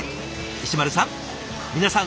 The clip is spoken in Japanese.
石丸さん